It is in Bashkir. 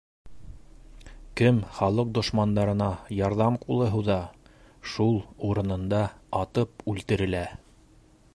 Кем халыҡ дошмандарына ярҙам ҡулы һуҙа, шул урынында атып үлтерелә!